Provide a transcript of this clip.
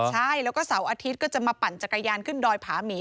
ใช่แล้วก็เสาร์อาทิตย์ก็จะมาปั่นจักรยานขึ้นดอยผาหมี